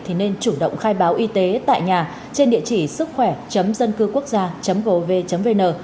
thì nên chủ động khai báo y tế tại nhà trên địa chỉ sức khỏe dân cư quốc gia gov vn